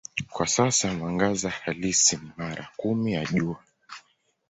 Kwa sasa mwangaza halisi ni mara kumi ya Jua.